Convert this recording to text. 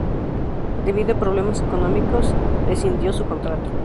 Debido a problemas económicos rescindió su contrato.